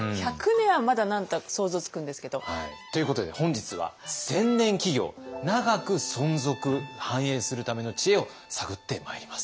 １００年はまだ何か想像つくんですけど。ということで本日は千年企業長く存続・繁栄するための知恵を探ってまいります。